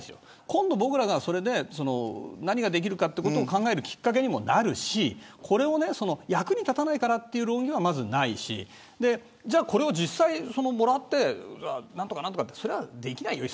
今度、僕らが何ができるかを考えるきっかけにもなるしこれを役に立たないからという論議は、まずないしじゃあ、これを実際もらって何とかっていうのはできないよ